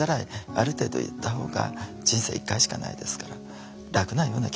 ある程度言ったほうが人生１回しかないですから楽なような気がしますね。